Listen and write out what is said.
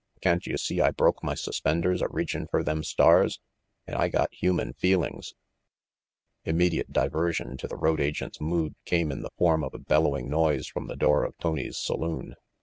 Can't you see I broke my suspenders a reaching f er them stars, an* I got human feelings " Immediate diversion to the road agent's mood came in the form of a bellowing noise from the door of Tony's saloon.